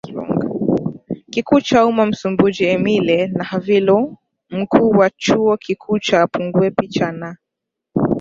Kikuu cha Umma MsumbijiEmília Nhalevilo Mkuu wa chuo kikuu cha Púnguè Picha na